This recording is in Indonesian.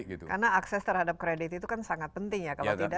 karena akses terhadap kredit itu kan sangat penting ya kalau tidak